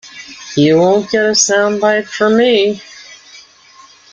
You won’t get a soundbite from me.